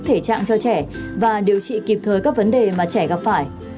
thể trạng cho trẻ và điều trị kịp thời các vấn đề mà trẻ gặp phải